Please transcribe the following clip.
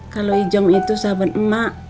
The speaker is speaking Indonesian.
kalau ijam itu sahabat emak